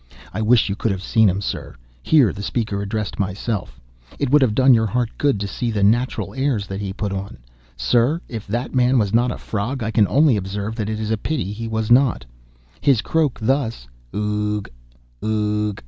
I wish you could have seen him, sir,"—here the speaker addressed myself—"it would have done your heart good to see the natural airs that he put on. Sir, if that man was not a frog, I can only observe that it is a pity he was not. His croak thus—o o o o gh—o o o o gh!